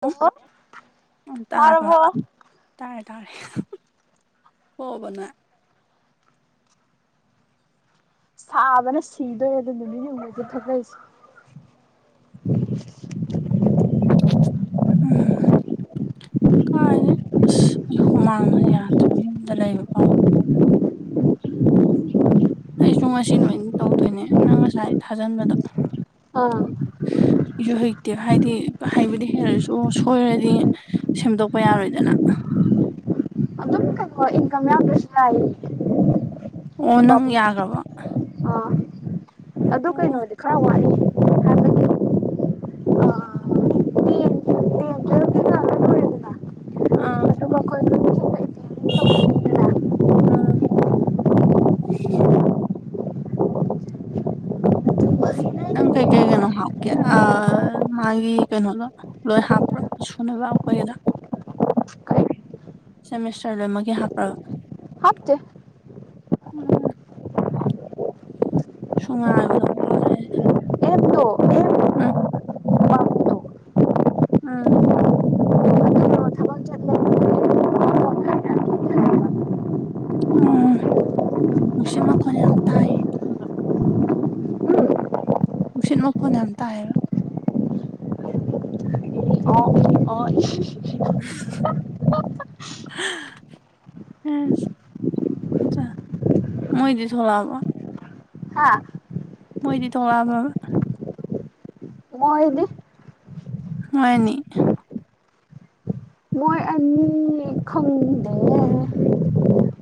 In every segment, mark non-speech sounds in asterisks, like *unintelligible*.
hello ꯑꯗꯨ ꯇꯥꯔꯦꯔꯕꯣ ꯇꯥꯔꯦ ꯇꯥꯔꯦ ꯍꯣꯕꯅ ꯁꯥꯕꯅ ꯁꯤꯗꯣꯏ ꯑꯗꯨ ꯅꯨꯠꯅꯤꯝꯁꯨ ꯊꯣꯛꯂꯛꯏꯁꯦ ꯎꯝ ꯀꯥꯏꯗꯤ ꯑꯁ ꯍꯨꯃꯥꯡꯅ ꯌꯥꯗ꯭ꯔꯕ ꯌꯨꯝꯗ ꯂꯩꯕ ꯄꯥꯎ ꯑꯩꯁꯨ ꯉꯁꯤ ꯂꯣꯏ ꯇꯧꯗꯣꯏꯅꯦ ꯅꯪ ꯉꯁꯥꯏ ꯊꯥꯖꯤꯟꯕꯗꯣ ꯑꯥ *unintelligible* *inaudible* ꯁꯨ ꯍꯩꯛꯇꯤ ꯍꯥꯏꯗꯤ ꯍꯩꯕꯗꯤ ꯍꯦꯜꯔꯁꯨ ꯁꯣꯏꯔꯗꯤ ꯁꯦꯝꯗꯣꯛꯄ ꯌꯥꯔꯣꯏꯗꯅ ꯏꯟꯀꯃ ꯌꯥ ꯄꯁ ꯂꯥꯏ ꯑꯣꯅ ꯌꯥꯒꯕ *inaudible* ꯑꯥ ꯑꯗꯨ ꯀꯩꯅꯣꯗꯤ ꯈꯔ ꯋꯥꯠꯏ ꯇꯦꯟ ꯇꯦꯟ ꯇꯨꯌꯦꯜꯞꯇꯤ ꯑꯥ *unintelligible* *inaudible* ꯣꯏ ꯎꯝ ꯅꯪ ꯀꯩ ꯀꯩꯒꯩꯅꯣ ꯍꯥꯀꯦ ꯑ ꯃꯥꯒꯤ ꯀꯩꯅꯣꯂ ꯂꯣꯏ ꯍꯥꯞꯄ꯭ꯔ ꯁꯨꯅꯕꯈꯣꯏꯗ ꯁꯦꯃꯤꯁꯇꯔ ꯂꯃꯀꯤ ꯍꯥꯞꯄ꯭ꯔꯒ ꯍꯥꯞꯇ *inaudible* ꯎꯝ ꯁꯨꯡꯉꯕꯗ ꯃꯥꯔꯦꯦ ꯑꯦꯞꯗ ꯑꯦꯦꯝ *inaudible* ꯎꯝ *unintelligible* *inaudible* ꯑꯗꯨꯗꯣ ꯊꯕꯛ ꯆꯠꯂꯦ ꯎꯝ ꯅꯨꯡꯁꯤ ꯃꯈꯣꯟ ꯌꯥꯝ ꯇꯥꯏꯌꯦ ꯑꯗꯨꯒ ꯅꯨꯡꯁꯤꯠ ꯃꯈꯣꯟ ꯌꯥꯝ ꯇꯥꯏꯌꯦꯕ ꯑ ꯑ ꯎꯝ *unintelligible* *inaudible* ꯃꯣꯏꯗꯤ ꯊꯂꯕ ꯍꯥꯥ ꯃꯣꯏꯗꯤ ꯊꯣꯂꯕꯕꯥ ꯃꯣꯏꯅꯦ ꯍꯣꯏꯅꯤ ꯃꯣꯏ ꯑꯅꯤ ꯐꯪꯗꯦ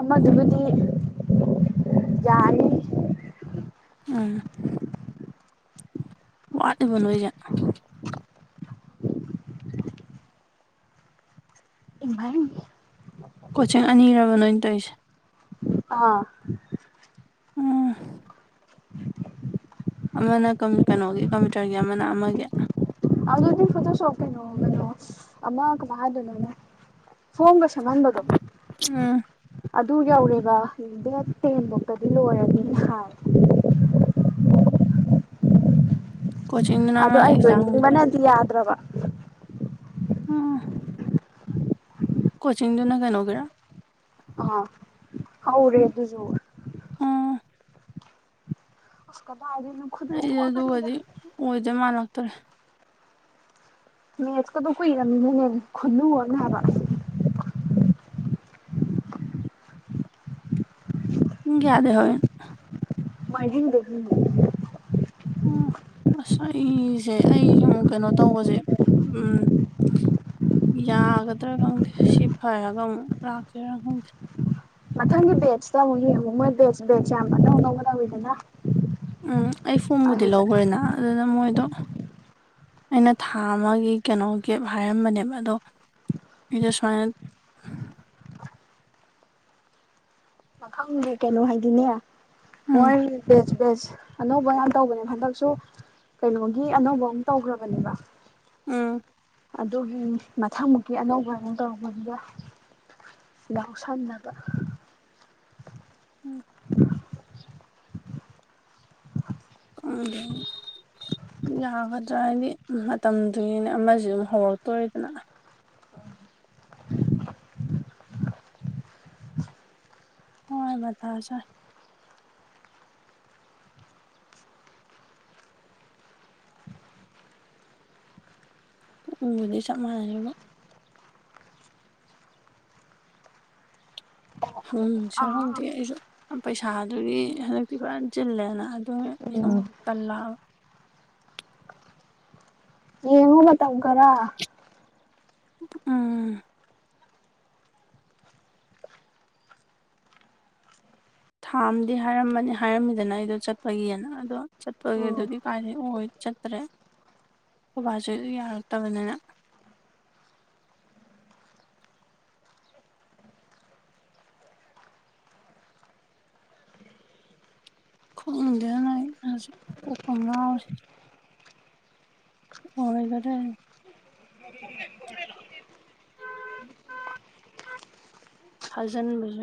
ꯑꯃꯗꯨꯕꯨꯗꯤ ꯌꯥꯦ *unintelligible* *inaudible* ꯎꯝ ꯋꯥꯠꯂꯤꯕ ꯅꯣꯏꯖ *inaudible* ꯏꯚꯥꯏ ꯀꯣꯆꯤꯡ ꯑꯅꯤꯔꯕ ꯅꯣꯏꯅ ꯇꯧꯔꯤꯁꯦ ꯑꯥ ꯎꯝ *unintelligible* *inaudible* ꯑꯃꯅ ꯀꯩꯅꯣꯒꯤ ꯀꯝꯄ꯭ꯌꯨꯇꯔꯒꯤ ꯑꯃꯅ ꯑꯃꯒꯤ ꯐ ꯁꯣꯛ ꯀꯩꯅꯣꯕꯅꯣ ꯑꯃꯒꯚꯥꯗꯨꯅꯅꯦ ꯐꯣꯡꯒꯁꯃꯟꯕꯗꯣ ꯎꯝ ꯑꯗꯨ ꯌꯧꯔꯦꯕ ꯗꯦꯠ ꯇꯦꯟꯐꯧꯇꯗꯤ ꯂꯣꯏꯔꯅꯤ ꯍꯥꯏ ꯎꯝ *unintelligible* *inaudible* ꯑꯃ ꯑꯗꯣ ꯑꯩ ꯑꯦꯛꯖꯥꯝꯒꯤꯔꯥ ꯂꯣꯏꯅꯤꯡꯕꯅꯗꯤ ꯌꯥꯗ꯭ꯔꯕ ꯎꯝ ꯀꯣꯆꯤꯡꯗꯨꯅ ꯀꯩꯅ ꯀꯦꯔ ꯑ ꯍꯔꯦ ꯑꯗꯨ ꯑꯗꯨꯁꯨ ꯎꯝ ꯎꯀ ꯑꯗꯨꯅ *inaudible* ꯑꯩꯗꯤ ꯑꯗꯨꯒꯗꯤ ꯑꯣꯏꯗꯣꯏ ꯃꯥꯟꯂꯛꯇ꯭ꯔꯦ ꯃꯦꯠꯁꯀꯗꯣ ꯀꯨꯏꯔꯝꯅꯤꯅꯦ ꯈ ꯈꯨꯜꯂꯨꯑꯣꯅ ꯍꯥꯏꯕ ꯒꯌꯥꯗ ꯍꯣꯏ *inaudible* *unintelligible* ꯃꯤꯡꯗ ꯎꯝ ꯑꯁ ꯑꯩꯁꯦ ꯑꯩ ꯁꯨꯝꯨ ꯀꯩꯅꯣ ꯇꯧꯕꯁꯦ ꯎꯝ ꯌꯥꯒꯗ꯭ꯔꯥ ꯈꯪꯗꯦ ꯁꯤ ꯐꯔꯒ ꯑꯃꯨꯛ ꯂꯥꯛꯆꯔꯥ ꯈꯪꯗꯦ ꯃꯊꯪꯒꯤ ꯕꯦꯠꯁꯤꯇ ꯑꯃꯨꯛ ꯌꯦꯡꯉꯨ ꯃꯣꯏ ꯕꯦ ꯕꯦꯠꯁꯦ ꯌꯥꯝ ꯑꯅꯧ ꯑꯅꯧꯕ ꯅꯧꯋꯤꯗꯅ ꯎꯝ ꯑꯩ ꯐꯣꯝꯕꯨꯗꯤ ꯂꯧꯈ꯭ꯔꯦꯅ ꯑꯗꯨꯅ ꯃꯣꯏꯗꯣ ꯑꯩꯅ ꯊꯥ ꯑꯃꯒꯤ ꯀꯩꯅꯣ ꯀꯦꯞ ꯍꯥꯏꯔꯝꯕꯅꯦꯕ ꯑꯗꯣ ꯑꯩꯗꯣ ꯁꯨꯃꯥꯏꯅ ꯃꯈꯥꯪꯗꯦ ꯀꯩꯅꯣ ꯍꯥꯏꯗꯤꯅꯦ ꯎꯝ ꯃꯣꯏ ꯕꯦꯁ ꯑꯅꯧꯕ ꯌꯥꯝ ꯇꯧꯕꯅꯦ ꯍꯟꯗꯛꯁꯨ ꯀꯩꯅꯣꯒꯤ ꯑꯅꯧꯕ ꯑꯃ ꯇꯧꯈ꯭ꯔꯕꯅꯦꯕ ꯑꯥ *unintelligible* *inaudible* ꯑꯗꯨ ꯃꯊꯪꯃꯨꯛꯀꯤ ꯑꯅꯧꯕ ꯑ ꯑꯣꯏꯅ ꯇꯧꯔꯛꯄꯗꯨꯗ ꯅꯥꯎꯁꯝꯅꯕ *inaudible* ꯎꯝ *unintelligible* *inaudible* *unintelligible* *inaudible* ꯑꯗ ꯌꯥꯒꯗ꯭ꯔꯥ ꯍꯥꯏꯗꯤ ꯃꯇꯝꯗꯨꯒꯤꯅꯦ ꯑꯃꯁꯨ ꯑꯗꯨꯝ ꯍꯧꯔꯛꯇꯣꯔꯤꯗꯅ ꯍꯣꯏꯕ ꯊꯥ ꯆ *inaudible* ꯄꯨꯅꯤꯡꯕꯨꯗꯤ ꯆꯞ ꯃꯥꯟꯅꯔꯕ ꯎꯝ ꯎꯝ ꯁꯗꯤꯁꯨ *inaudible* ꯄꯩꯁꯥꯗꯨꯒꯤ ꯍꯟꯗꯛꯇꯤ ꯈꯔ ꯆꯤꯜꯂꯦꯅ ꯑꯗꯨ ꯑꯩꯁꯨ ꯑꯃꯨꯛ ꯇꯜꯂꯛꯕ ꯌꯦꯉꯕ ꯇꯕ ꯀꯔ *inaudible* ꯎꯝ *unintelligible* *inaudible* ꯊꯥꯝ ꯍꯥꯏꯔꯝꯕꯅꯤ ꯍꯥꯏꯔꯝꯃꯤꯗꯅ ꯑꯩꯗꯣ ꯆꯠꯄꯒꯤꯑꯅ ꯑꯗꯣ ꯆꯠꯄꯒꯤ ꯎꯝ ꯑꯗꯨꯗꯤ ꯀꯥꯏꯗꯒꯤꯩ ꯑꯣꯏ ꯆꯠꯇ꯭ꯔꯦ ꯕꯥꯁꯨ ꯌꯥꯔꯛꯇꯕꯅꯤꯅ ꯈꯪꯗꯦꯁ ꯀꯈꯪ ꯉꯥꯎꯦ ꯑꯣ ꯑꯩꯒꯗꯦ ꯍꯖꯟ